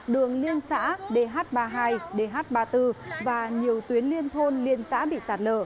đường liên xã dh ba mươi hai dh ba mươi bốn và nhiều tuyến liên thôn liên xã bị sạt lở